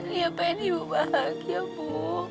ibu bahagia ibu